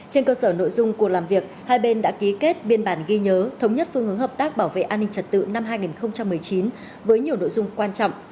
trên cơ sở nội dung của làm việc hai bên đã ký kết biên bản ghi nhớ thống nhất phương hướng hợp tác bảo vệ an ninh trật tự năm hai nghìn một mươi chín với nhiều nội dung quan trọng